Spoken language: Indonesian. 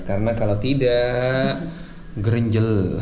karena kalau tidak gerinjel